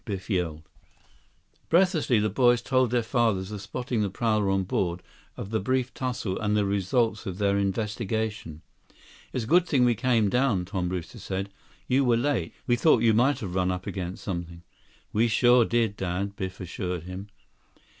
Biff yelled. Breathlessly, the boys told their fathers of spotting the prowler on board, of the brief tussle, and the results of their investigation. "It's a good thing we came down," Tom Brewster said. "You were late. We thought you might have run up against something." "We sure did, Dad," Biff assured him.